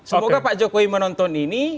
semoga pak jokowi menonton ini